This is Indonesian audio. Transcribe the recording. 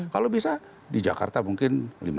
kalau bisa di jakarta mungkin lima puluh